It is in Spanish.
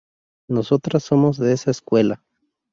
Nosotras somos de esa escuela.